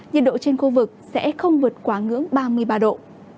nhiệt độ trên khu vực sẽ không vượt quá ngưỡng ba mươi ba độ